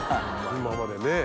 今までねぇ。